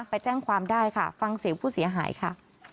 ไปแจ้งความได้ค่ะฟังเสียงผู้เสียหายค่ะ